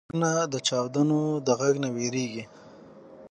غوږونه د چاودنو غږ نه وېریږي